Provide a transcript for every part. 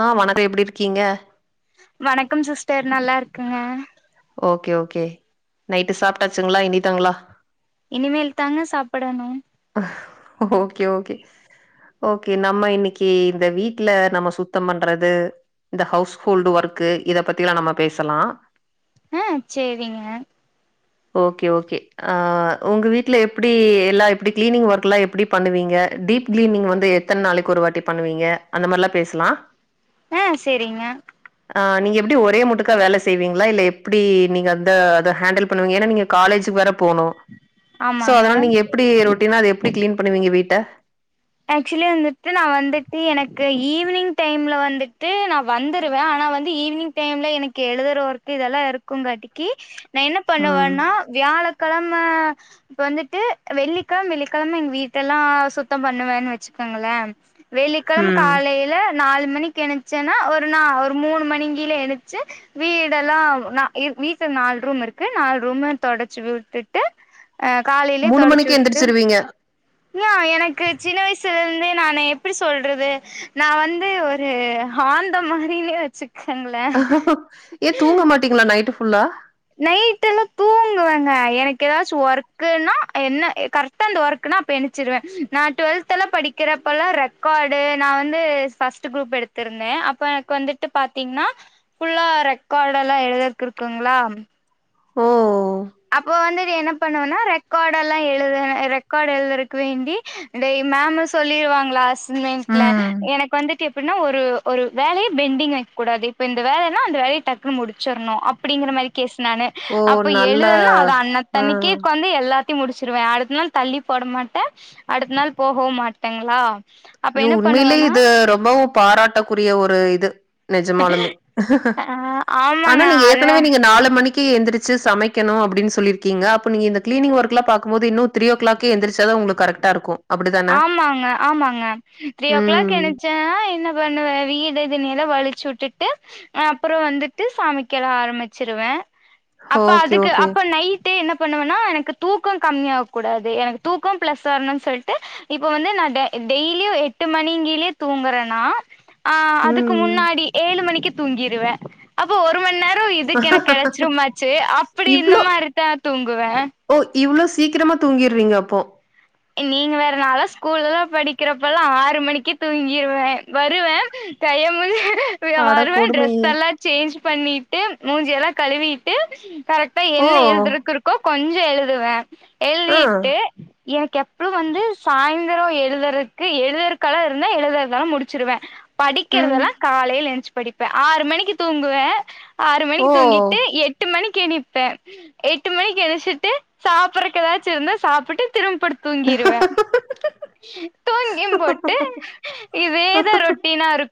ஆ வணக்கோ எப்பிடி இருக்கீங்க வணக்கம் சிஸ்டர் நல்லா இருக்குங்க ஓகே ஓகே நைட்டு சாப்ட்டாச்சுங்களா இனிதாங்களா இனிமேல்த்தாங்க சாப்படணு ஓகே ஓகே ஓகே நம்ம இன்னிக்கு இந்த வீட்ல நம்ம சுத்தம் பண்றது இந்த ஹவுஸ்ஹோல்டு ஒர்க் இத பத்தி எல்லா நம்ம பேசலா அ சேரிங்க ஓகே ஓகே அ உங்க வீட்டுல எப்பிடி எல்லா எப்பிடி கிளீனிங் ஒர்க்ல்லா எப்பிடி பண்ணுவீங்க டீப் கிளீனிங் வந்து எத்தன நாளைக்கு ஒரு வாட்டி பண்ணுவீங்க அந்த மாரிலா பேசலா ஆ சேரிங்க ஆ நீங்க எப்பிடி ஒரே முட்டுக்கா வேல செய்வீங்களா இல்ல எப்பிடி நீங்க அந்த அத ஹேண்டல் பண்ணுவீங்க நீங்க காலேஜுக்கு வேற போனு சோ அதனால ஆமாங்க நீங்க எப்பிடி ரொட் எப்பிடி கிளீன் பண்ணுவீங்க வீட்ட ஆக்சுலி வந்துட்டு நா வந்துட்டு எனக்கு ஈவினிங் டைம்ல வந்துட்டு நா வந்துருவே ஆனா வந்து ஈவினிங் டைம்ல எனக்கு எழுதுற வோர்க்கு இதெல்லா இருக்குங்கட்டிக்கு நா என்ன ம் பண்ணுவேன்னா வியாழக் கிழம இப்ப வந்துட்டு வெள்ளிக்கிழம வெள்ளிக்கிழம எங்க வீட்டல்லா சுத்தம் பண்ண ன்னுவேன்னு வச்சுக்காங்கள வெள்ளிக்கெழம ம் காலேல நாலு மணிக்கு எந்திச்சேனா ஒரு நா ஒரு மூணு மணிக்கிழ இணச்சு வீடெல்லா நா வீட்டுல நாலு ரூம் இருக்கு நாலு ரூம தொடச்சு விட்டுட்டு அ காலேலே மூணு தொடச்சு மணிக்கு விட்டு எந்திரிச்சிருவீங்க இ எனக்கு சின்ன வயசுல இருந்தே நானு எப்டி சொல்றது நா வந்து ஒரு ஆந்த மாரினே வச்சு ஏ தூங்க மாட்டீங்ளா நைட்டு்ஃப் ஃபுள்ளா நைட் எல்லா தூங்குவேங்க எனக்கு ஏதாச்சு ஒர்க்கன்னா என்ன கரெக்டா அந்த ஒர்க்கன்னா அப்பெண்ச்சிருவே நா டுவெல்த்லா படிக்கிறப்பல்லா ரெக்கார்டு நா வந்து ஃபஸ்ட் குரூப் எடுத்திருந்தே அப்ப எனக்கு வந்துட்டு பாத்தீங்கன்னா ஃபுல்லா ரெக்காடெல்லா எழுதற்க்கு இருக்குங்களா ஓ அப்போ வந்து என்ன பண்ணுவனா ரெக்காடல்லா எழுத ரெக்கார்டு எழுதுறக்கு வேண்டி இந்த மேம் சொல்லிருவாங்களாஸ் இண்மேன்ட்ல ம் எனக்கு வந்து எப்டினா ஒரு ஒரு வேலய பெண்டிங் வக்க கூடாது இப்ப இந்த வேலனா அந்த வேலைய டக்குன்னு முடிச்சிர்ணு அப் அப்டிங்குற மாரி கேஸ் நானு ஓ அப்ப நல்ல எழுதனு ன அது ஆ அன்தண்ணிகே உக்காந்து எல்லாத்து ட்டி முடிச்சிருவே அடுத்த நாள் தள்ளி போட மாட்டே அடுத்த நாள் போகவு மாட்டேங்களா அப்ப யு என்ன உண்மைலே பண்ணுவேன்னா இது ரொம்பவு பாராட்டக்குரிய ஒரு இது நெஜமாலுமே ஆ ஆனா ஆமாங்க நீங்க அது ஏற்கனவே நீங்க நாலு மணிக் கி எந்திரச்சு சமைக்கணு அப்டின்னு சொல்லிருக்கீங்க அப்போ நீங்க இந்த கிளீனிங் ஒர்க்லா பாக்கும் போது ன்னு த்ரீ ஓ கிளாக் ஹே எந்திரிச்சா தா உங்லுக்கு கரெக்டா இருக்கு அப்டிதான ஆமாங்க ஆமாங் ஆ த்ரீ ஓ கிளாக் ம் என்னுசசேனா என்ன பண்ணுவே வீடு தின்னல்லா வழிச் சு விட்டுட்டு அப்புற வந்துட்டு சாமிகெலா ஆரம்மிச்சிருவே அப்ப ஓகே அதுக்கு ஓகே அப்ப நை நைட்டு என்ன பண்ணுவனா எனக்கு தூக்கோ கம்மியாவகூடாது எனக்கு தூக்கோ பிளஸ் வரணும்னு சொல்ட் டு இப்ப வந்து நா டெய்லியு எட்டு மணிங்கய்லயே தூங்குறேனா ஆ அதுக்கு ம் முன்னாடி ஏழு மணிக்கு தூங்கிருவே அப்போ ஒரு மணி நேர் உ இதுக்கு எனக்கு கிடச்சிருமாச்சு அப்டி இந்த இவ்ளோ மாரிதா தூங்குவே ஓ இவ்ளோ சீக்கிரமா தூங்கிருவீங்க அப்போ நீங்க வேற நாளா ஸ்கூல்லலா படிக்கறப்பலா ஆறு மணிக்கே தூங்கிருவே வருவே கையமூஞ்ச அட வருவே கொடுமையே டிரெஸ் எல்லா சேஞ்ச் பண்ணிட் ட்டு மூஞ்சி எல்லா கழுவிட்டு கரெக்டா என்ன ஓ எழுதுறக்குர்கோ கொஞ் து எழுதுவே ஆ எல்திட்டு எனக்கு எப்பளு வந்து சாயந்திரோ எழுதுறதுக்கு எழுதுறக்கல்லா இருந்தா எழுதுறதெலா முடிச்சிருவே ம் படிக்கிறதெல்லா காலைல எஞ்ச்சு படிப்பே ஆறு மணிக்கு தூங்குவே ஆறு ஓ மணிக்கு தூங்கிட்டு எட்டு மணிக் க்கு எனிப்பே எட்டு மணிக்கு எந்ஞ்சிட்டு சாப்பிறக்கு எதாச்சு இருந்தா சாப்பிட்டு படுத் தூங்கிருவே தூங்கியுபோட்டு இதேதா ரொட்டினாருக்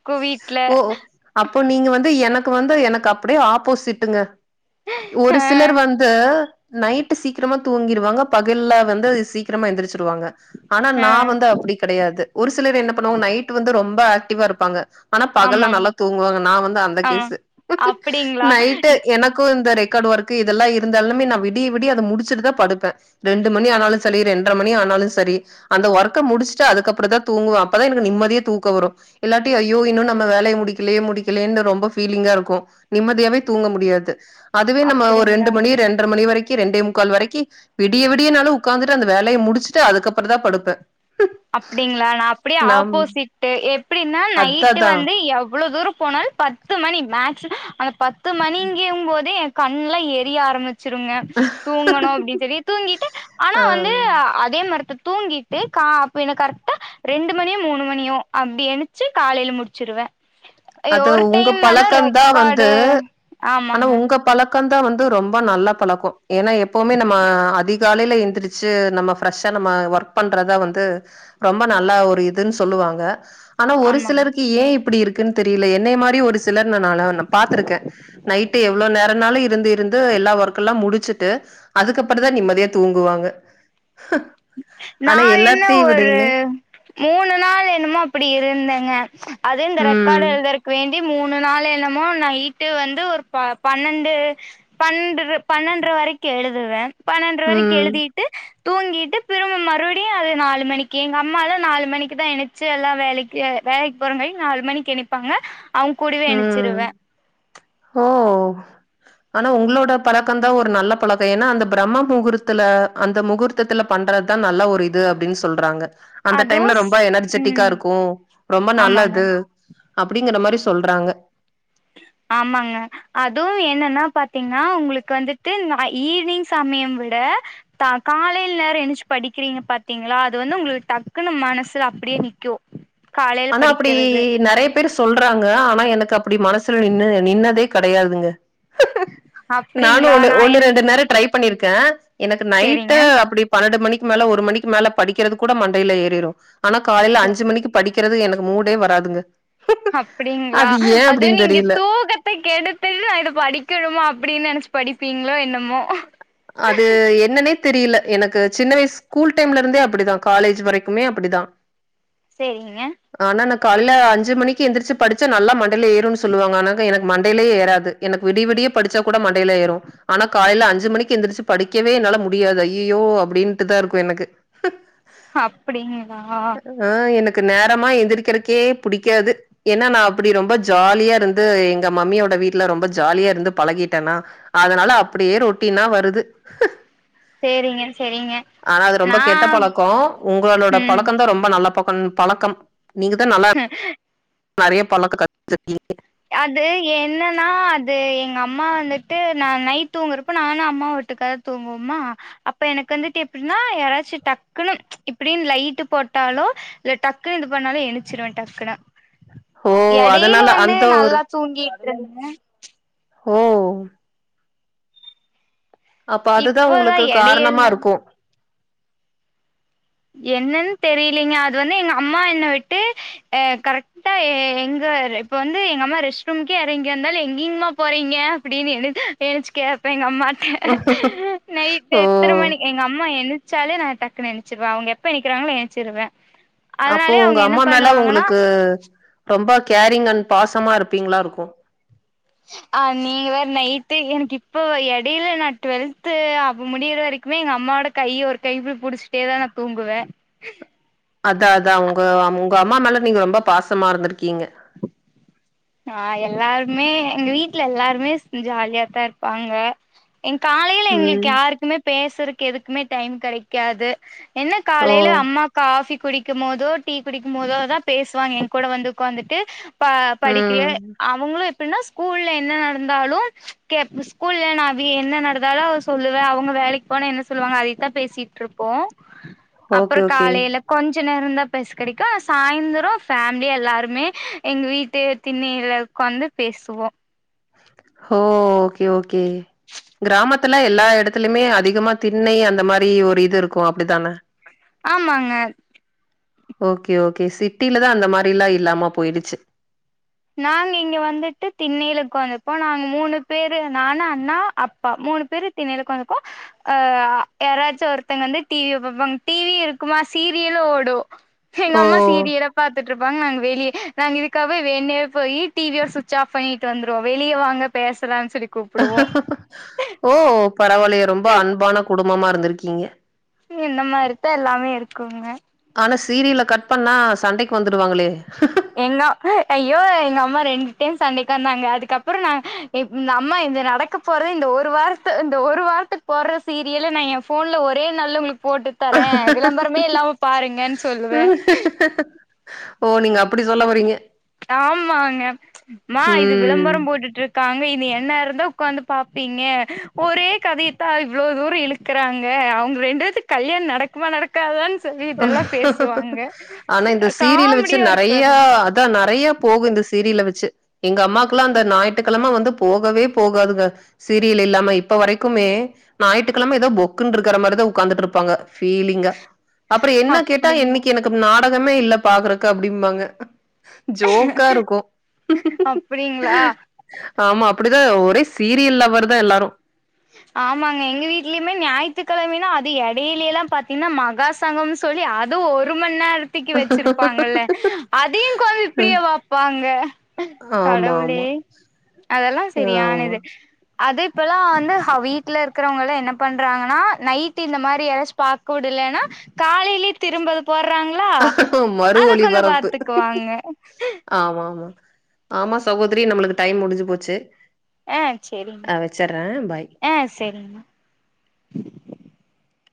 ஓ அப்போ நீங்க வந்து எனக் க்கு வந்து எனக்கு அப்டியே ஆப்போசிட்டுங்க ஒரு ஆ சிலர் வந்து நைட்டு சீக்ரமா தூங்கிருவாங்க பகல்ல வந்து அது சீக்கரமா எந்திரிச்சிருவாங்க ஆனா ஆ நா வந்து அப்டி கெடயாது ஒரு சிலர் என்ன பண்ணுவாங்க நைட் வந்து ரொம்ப ஆக் டிவா இருப்பாங்க ஆனா பகல்ல ஆமாங் நல்லா தூங்குவாங்க நா வந்து அந்த ஆமாங் கேசு அப்டிங்களா நைட்டு எனக்கு இந்த ரே ரெக்கார்ட் ஒர்க் இதெல்லா இருந்தாலுமே நா விடிய விடிய அத முடிச்சுட்டு தா படுப்பே ரெண்டு மணி ஆனாலு சரி ரெண்ட்ர மணி ஆனாலுமசரி அந்த ஒர்க்க முடிச்ட்டு அதுக்கப்புற தா தூங்குவ அப்பதா எனக்கு நிம்மதியா தூக்க வரு இல்லாட்டி ஐயோ இன்னு நம்ம வேலய முடிக்கலயே முடிக்கலயேன்னு ரொம்ப ஃபீலிங்கா இருக்கு நிம்மதியாவே தூங்க முடியாது அதுவே நம்ம ஒரு ரெண்டு அப்டிங்களா மணி ரெண்ட்ர மணி வரைக் கி ரெண்டே முக்கால் வரைக்கி விடிய விடியனாலு உக்காந்துட்டு அந்த வேலய முடிச்சுட்டு அதுக்கப்புறந்தா படுப்பே அப்டிங்களா நா அப்டியே நம் ஆப்போசிட்டு் எப்டின்னா அதா நைட்டு அதா வந்து எவ்ளோ தூரோ போனாலு பத்து மணி மேக் சு அந்த பத் பத்து மணிங்க்கும்போதே கண்லா எரிய ஆரம்பிச் சிருங்க தூங்கணு அப்டி சொல்லி தூங்கிட்டு ஆனா ஆ வந்து அதே மரத்து தூங்கிட்டு கா என கரெக்டா ரெண்டு மணியு மூணு மணியு அப்டிஎனுச்சு காலையில முடிச்சிருவே அது ஒரு உங்க டைம் எல்லா பழக்கந்தா வந்து ரெக்கார்டு ஆனா ஆமாங்க உங்க பழக் கந்தா வந்து ரொம்ப நல்ல பழக்கோ ஏன்னா எப்பவுமே நம்ம அதிக் காலையில எழுந்திரிச்சு நம்ம ஃப்ரெஷ்ஷா நம்ம ஒர்க் பண்றதா வந்து ரொம்ப நல்லா ஒரு இதுன்னுஸ் சொல்லுவாங்க ஆனா ஒரு ஆமாங்க சிலருக்கு ஏ இப் ப்டி இருக் இருக்குன்னு தெரியல என்னய மாரியு ஒரு சிலர் நா பாத்திருக்கே நைட்டு எவ்ளோ நேரோனாலு இருந்து இருந்து எல்லா ஒர்க்கல்லா முடிச்சுட்டு அதுக்கப்புற தா நிம்மதியா தூங்குவாங்க நா ஆனா என்ன எல்லாத்தையு ஒரு விடையுமே மூணு நாள் என்னமோ அப்படி இருந்தேங்க ஆஹ அது இந்த ரெக்கார்டு ம் எழுதற்கு வேண்டி மூணு நாள் என்னமோ நைட்டு வந்து ஒரு பன்னெண்டு பன்ன பன்னெண்ட்ர வரைக்கு எழுதுவே பன்னெண்ட்ர வரைக்கு ம் எழுதிட்டு தூங்கிட்டு திரும்ப மறுபடியு அது நாலு மணிக்கு எங்க அம்மாலா நாலு மணிக்குதா எணச்சு எல்லா வேலைக்கு வேலைக்கு போற வரை நாலு மணிக்கு எந்திரிப்பாங்க உ ஓ ஆனா உங்களோட பழக்கந்தா ஒரு நல்ல பழக்கெ ஏன்னா அந்த பிரம்ம முகூர்த்தல அந்த முகூர்த்தத்துல பண்றதுதா நல்ல ஒரு இது அப்டின்னு சொல்றாங்க அந்த அதுவு டைம்ல ஸ் ரொம்ப எனர்ஜெட்டிக்கா ம் இருக்கு ரொம்ப ஆமாங்க நல்லது அப்டிங்கற மாரிஸ் சொல்றாங்க ஆமாங்க அதுவு என்னன்னா பாத்தீங்கன்னா உங்களுக்கு வந்துட்டு ஈவினிங் சமயம் விட காலையில நேரோ எனிச்சு படிக்கிறீங்க பாத்தீங்களா அது வந்து உங்களுக்கு டக்குன்னு மனசுல அப்டியே நிக்கு ஆனா அப்டி நறையாப் பேர் சொல்றாங்க ஆனா எனக்கு அப் அப்டி மனசுல நின்னு நின்னதே கிடையாதுங்க நானு அப்டிங்களா ஒன்னு நா ஒன்ன என் ரெண்டு நேரோ ட்ரை பண்ணிருக்கே எனக்கு சேரிங்க. நைட்டு அப்டி பன்னெண்டு மணிக் மேல ஒரு மணிக்கு மேல படிக்கிறது கூட மண்டையில ஏறிரு ஆனா காலேல சேரி. அஞ்சு மணிக்கு படி கிறது எனக்கு மூடே வராதுங்க அப்டிங்களா அது ஏ அது அப்டின்னு நீங்க தெரியல தூக்கத்த கெடுத்துட்டு இத படிக்கணுமா அப்டின்னு நனைச்சு படிப்பீங்களோ என்னமோ அது என்னனே தெரியல எனக்கு சின்ன வயசு ஸ்கூல் டைம்ல இருந்தே அப்படிதா காலேஜ் வரைக்குமே அப்படிதா சேரிங்கங்க கால்ல அஞ்சு மணிக்கு எந்துரிச்சு படிச்சா நல்லா மண்டேல ஏறும்னு சொல்லுவாங்க ஆனா எனக்கு மண்டைலயே ஏறாது எனக்கு விடிய விடிய படிச்சா கூட மண்டேல ஏறு ஆனா காலேல அஞ்சு மணிக்கு எந்திரிச்சு படிக்கவே என்னால முடியாது அய்யயோ அப்டின்ட்டு தா இருக்கு எனக்கு அப்டிங்களா ஆ எனக்கு நேரமா எந்திரிக்கிறக் எனக்கே பிடிக்காது ஏன்னா நா அப்டி ரொம்ப ஜாலியா இருந்து எங்க மம்மியோட வீட்டுல ரொம்ப ஜாலியா இருந்து பழகிட்டேன்னா அதனால அப்டியே ரொட்டின்னா வர் ருது அ சேரிங்க சேரிங்க. ஆனா அது ரொம்ப நா கெட்ட பழக்கோ உங்களோட ம். பழக்கந் தா ரொம்ப நல்ல பக் பன் பழக்கம் நீங்க தா நல்லா நறைய பழத்த க [inaudible] அது என்னன்னா அது எங்க அம்மா வந்துட்டு நா நைட் தூங்குறப்போ நானு அம்மாவு வொட்டுக்காதா தூங்குவோம்மா அப்ப எனக்கு வந்துட்டு அப்டின்னாயாராச்சு டக் டக்குனு ச் இப்டின்னு லைட்டு போட்டாலு இது டக்குன்னு இது பண்ணாலு எணிச்சிருவே டக்குனு ஓ! எடையில அதனால வந்து அந்த ஒரு நல்லா தூங்கி கிரங்க ஓ அப்ப அதுதா இப்பதா உங்களுக்கு காரணமா எடையில இருக்கு என்னன்னு தெரியலீங்க அது வந்து எங்க அம்மா என்ன விட்டு அ கரெக்டா எங்க இப்ப வந்து எங்க அம்மா ரெஸ்ட் ரூம்முகே இறங்க இருந்தாலு எங்கேங்ம்மா போறீங்க அப்படின்னு எனச்சுக்கேப்ப எங்க அம்மா நைட்டு் ஓ எத்தன மணிக் எங்க அம்மா எ ஞ்சாலே நா டக்குனு எ ஞ்சிருவே அவங்க எனிக்குராங்களோ என்ச்சிருவே அப்போ உங்க அம்மா மேல உங்ளுக்கு ரொம்ப கேரிங் அண்ட் பாசமா இருப்பீங்ளா இருக்கு ஆ நீங்க வேற நைட்டு எனக்கு இப்ப எடைல நா ட்வெல்த்து அப்ப முடியிற வரைக்குமே எங்க அம்மாவோட கை ஒரு கை இப்டி புடிச்சுட்டேதா நா தூங்குவே அதா அதா உங்க உங்க அம்மா மேல நீங்க ரொம்ப பாசமா இருந்துருக்கீங்க ஆ எல்லாருமே எங்க வீட்ல எல்லாருமே ஜாலியாத்தா இருப்பாங்க எ காலைல ம் எங்ளுக்கு யாருக்குமே பே சறக்கு எதுக்குமே டைம் கெடைக்காது என்ன ஓ காலைல அம்மா காஃபி குடிக்கும்மோதோ டீ குடிக்கும்போதோதா பேசுவாங்க என் கூட வந்து உக்காந்துட்டு பா ம் படிக்கிறியெ அவுங்களு எப் பின்னா ஸ்கூல்ல என்ன நடந்தாலு கேப் ஸ்கூல்ல நா வி என்ன நடந்தாலு சொல்லுவே அவுங்க வேலைக் போனா என்ன சொல்வாங்க அதைத்தா பேசிட்ருப்போ அப்ற ஓகே ஓகே காலைல கொஞ்ச நே ரந்தா பேச கடைக்கு சாயந்திரொ ஃபேம்லியா எல்லாருமே எங்க வீ ட்டு திண்ணைல உக்காந்து பேசுவோ ஹோ ஓகே ஓகே கிராமத்துல எல்லா எடத்துலமே அதிகமா திண்ணை அந்த மாரி ஒரு இது இருக்கு அப்டிதான ஆமாங்க ஓகே ஓகே சிட்டிலதா அந்த மாரில்லா இல்லாம போயிடுச்சு நாங்க இங்க வந்துட்டு திண்ணைல உக்கந்துப்போ நாங்க மூணு பேரு நானு அண்ணா அப்பா மூணு பேரு திண்ணைல உக்காந்துக்வோ ஆ யாராச்சு ஒருத்தங்க வந்து டி வி பாப்பாங்க டி வி இருக்குமா சீரியலு ஓடு ஓ எங்கம்மா சீரியல பாத்துட்ருப்பாங்க நாங்க வெளிய நாங்க இதுக்காவே வேண்ணே போயி டி வி ய சுவிட்ச் ஆஃப் பண்ணிட்டு வந்துருவோ வெளிய வாங்க பேசலா ஓ பரவால்லயே ரொம்ப அன்பான குடு ம்பமா இருந்துருக்கீங்க என்ன மாரித்தா எல்லாமே இருக்குங்க ஆனா சீரியல கட் பண்ணா சண்டைக்கு வந்துடுவாங்களே எங்க ஐயோ எங்க அம்மா ரெண்டு டைம் சண்டைக்கந்தாங்க அதுக்கப்புறொ நா இந்த அம்மா இந்த நடக்க போறது இந்த ஒரு வாரத்து இந்த ஒரு வாரத்துக் போர்ற சீரியல நா எ ஃபோன்ல ஒரே நாள்ல உங்ளுக் போட்டுத் தரே விளம்பரமே இல்லாம பாருங்கன் சொல்லுவே ஓ நீங்க அப்பிடி சொல்ல வரீங்க ஆமாங்க மா இது ம் விளம்பரம் போட்டுட்ரு க்காங்க இது என்னேரந்தா உக்காந்து பாப்பீங்க ஒரே கதயத்தா இவ்ளோ தூரொ இழுக்கறாங்க அவுங்க ரெண்டு பேத்துக் கல்யாண நடக்குமா நடக்காதான் ஆனா இந்த சீரியல வச்சு காமெடியா இருக்கு நெறையா அது அதா நெறைய போகு இந்த சீரியல வச்சு எங்க அம்மாக்குல்லா அந்த ஞாயித்துக்கழம வந்து போகவே போகாதுங்க சீரியல் இல்லாம இப்ப வரைக்குமே ஞாயித்து கெழம எதோ பொக்குன் இருக்குற மாரிதா உக்காந்துட்ருப்பாங்க ஃபீலிங்கா அப்றோ என்ன கேட்டா அப்படிங்களா இன்னைக்கு எனக்கு நாள் பாகமே இல்ல பாக்குறக்கு அப்டிம்பாங்க ஜோக்கா இருக்கு அப்படிங்களா ஆமா அப்டிதா ஒரே சீரியல் லவ்வர் தா எல்லாரு ஆமாங்க எங்க வீட்லயுமே ஞாயித்துக்கிழமைனா அது எடையிலைலா பாத்தீங்கன்னா மகாசங்கம்னு சொல்லி அதுவு ஒரு மணி நேரம் தூக்கி வச்சிருப்பாங்கல்ல அதையு கொ இப்டிய வப்பாங்க ஆமா ஆமா கடவுளே அதெல்லா சரியான ஆமா இது அது இப்பல்லா வந்து ஹ வீட்டுல இருக்கிறவங்களா என்ன பண்றாங்கன்னா நைட் இந்த மாரி எதாச்சு பக்க விடலேனா காலைலே திரும்பது போட்றாங்களா மறு அதுகு வந்து ஒளிபரப்பு பாத்துக்குவாங்க ஆமா ஆமா ஆமா சகோதரி நம்மளுக்கு டைம் முடிஞ்சு போச்சு ஆ சரிங்க அ வச்சர்றே பாய் ஆ சரிங்க